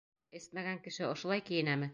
Эсмәгән кеше ошолай кейенәме?